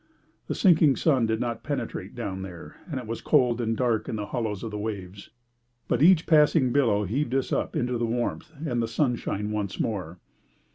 The sinking sun did not penetrate down there, and it was cold and dark in the hollows of the waves, but each passing billow heaved us up into the warmth and the sunshine once more.